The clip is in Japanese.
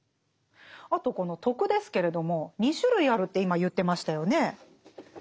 あとこの「徳」ですけれども２種類あるって今言ってましたよね。